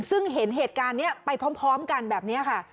ซึ่งเห็นเหตุการณ์นี้ไปพร้อมกันแบบนี้ค่ะ